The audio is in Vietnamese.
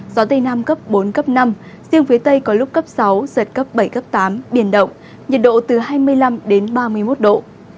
gió tây nam cấp bốn cấp năm riêng phía tây có lúc cấp sáu giật cấp bảy cấp tám biển động nhiệt độ từ hai mươi năm đến ba mươi một độ